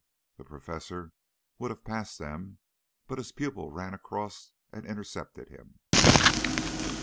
The Professor would have passed them, but his pupil ran across and intercepted him.